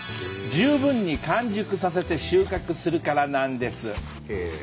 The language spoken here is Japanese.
十分に完熟させて収穫するからなんです。